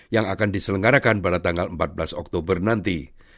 yang akan diselenggarakan pada tanggal empat belas oktober nanti